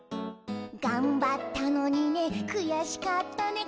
「がんばったのにねくやしかったね」